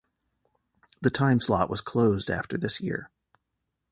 The time slot was closed after this year.